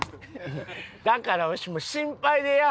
だからわしも心配でや。